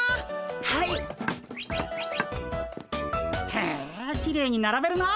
へえきれいにならべるなあ。